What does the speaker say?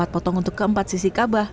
empat potong untuk keempat sisi kabah